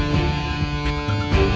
kamu masih mau mulut eh